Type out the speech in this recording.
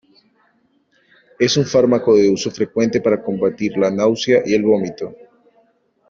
Es un fármaco de uso frecuente para combatir la náusea y el vómito.